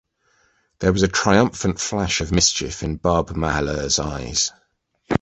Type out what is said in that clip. There was a triumphant flash of mischief in Barbe Mahaleur’s eyes.